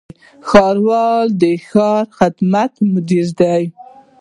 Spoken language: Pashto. ښاروال د ښاري خدماتو مدیر دی